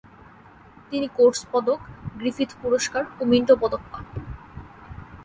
তিনি কোট্স পদক, গ্রিফিথ পুরস্কার ও মিন্টো পদক পান।